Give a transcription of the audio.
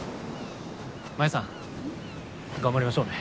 真夢さん頑張りましょうね！